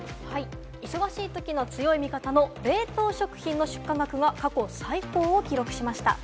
忙しい時の強い味方の冷凍食品の出荷額が過去最高を記録しました。